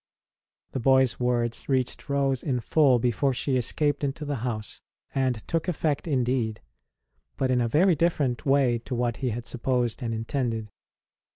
The boy s words reached Rose in full before she escaped into the house, and took effect in deed, but in a very different way to what he had supposed and intended.